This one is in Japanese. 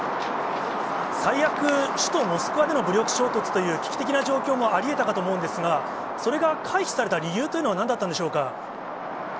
最悪、首都モスクワでの武力衝突という、危機的な状況もありえたかと思うんですが、それが回避された理由というのは、なんだったんでしょうか。